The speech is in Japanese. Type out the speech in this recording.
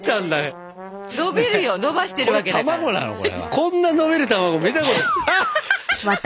こんなのびる卵見たことない。